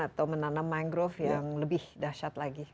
atau menanam mangrove yang lebih dahsyat lagi